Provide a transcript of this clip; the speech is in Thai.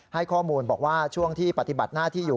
ให้ข้อมูลบอกว่าช่วงที่ปฏิบัติหน้าที่อยู่